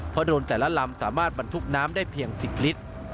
เพราะโดรนแต่ละลำสามารถบรรทุกน้ำได้เพียง๑๐ลิตร